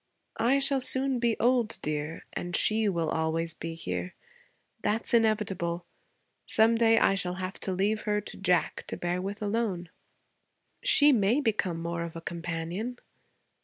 'I shall soon be old, dear, and she will always be here. That's inevitable. Some day I shall have to leave her to Jack to bear with alone.' 'She may become more of a companion.'